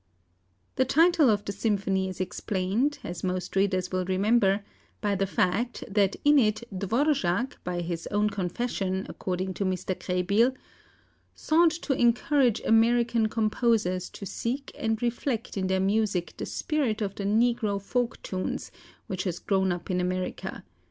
The title of the symphony is explained, as most readers will remember, by the fact that in it Dvořák, by his own confession, according to Mr. Krehbiel, "sought to encourage American composers to seek and reflect in their music the spirit of the [negro] folk tunes which have grown up in America.